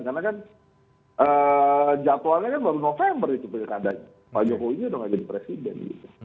karena kan jadwalnya kan baru november gitu pak jokowi sudah nggak jadi presiden